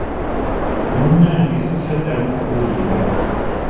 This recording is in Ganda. Munnange sikyaddamu kukulimba.